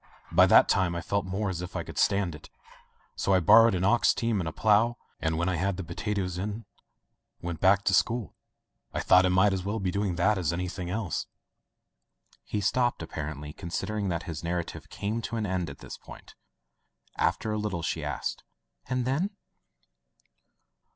By that time I felt more as if I could stand it. So I bor rowed an ox team and a plough, and when I had the potatoes in went back to school. I thought I might as well be doing that as anything else." He stopped, apparendy considering that his narrative came to an end at this point. After a little she asked: "And then?''